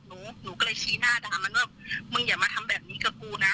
หนูหนูก็เลยชี้หน้าด่ามันว่ามึงอย่ามาทำแบบนี้กับกูนะ